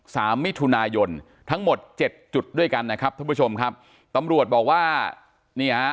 สามมิถุนายนทั้งหมดเจ็ดจุดด้วยกันนะครับท่านผู้ชมครับตำรวจบอกว่าเนี่ยฮะ